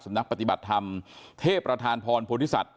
สำนักปฏิบัติธรรมเทพประธานพรผลศิษฐภ์